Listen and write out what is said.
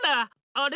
あれ？